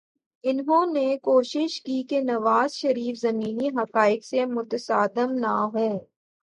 انہوں نے کوشش کی کہ نواز شریف زمینی حقائق سے متصادم نہ ہوں۔